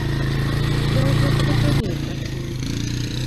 Я ўжо спакайней працую.